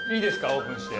オープンして。